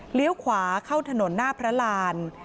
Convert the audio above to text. ขวาเข้าถนนหน้าพระราน